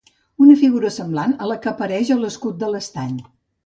Una figura semblant a la que apareix a l'escut de l'Estany.